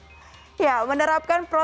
kita bisa mencapai kemampuan yang sangat penting